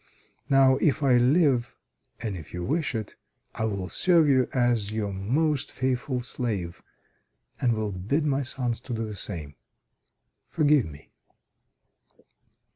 Now, if I live, and if you wish it, I will serve you as your most faithful slave, and will bid my sons do the same. Forgive me!"